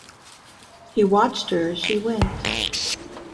He watched her as she went.